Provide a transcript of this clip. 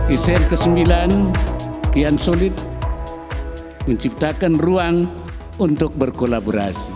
eser ke sembilan kian sulit menciptakan ruang untuk berkolaborasi